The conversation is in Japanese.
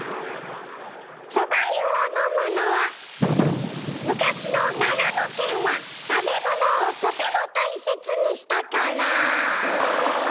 そば湯を飲むのは昔の長野県は食べ物をとても大切にしたから。